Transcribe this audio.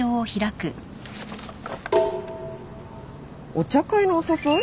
「お茶会のお誘い」？